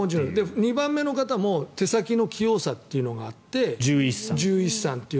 ２番目の方も手先の器用さというのがあって獣医師さんと。